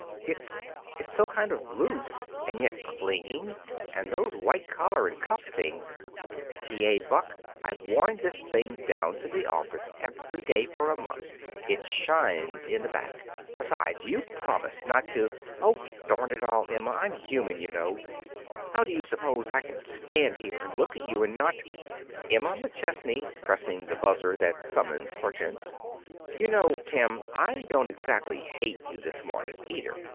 It it's so kind of loose, and yet clinging, and those white collar and cuff things " "T. A. Buck, I've worn this thing down to the office every day for a month. It shines in the back. Besides, you promised not to " "Oh, darn it all, Emma, I'm human, you know! How do you suppose I can stand here and look at you and not " Emma McChesney (pressing the buzzer that summons Hortense): "You know, Tim, I don't exactly hate you this morning, either.